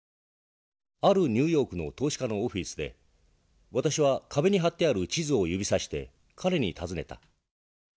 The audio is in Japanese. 「あるニューヨークの投資家のオフィスで私は壁に貼ってある地図を指さして彼に訪ねた。